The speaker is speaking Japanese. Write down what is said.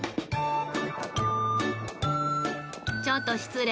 ちょっと失礼！